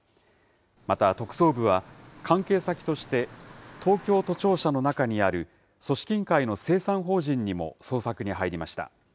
また、特捜部は、関係先として、東京都庁舎の中にある組織委員会の清算法人にも捜索に入りました。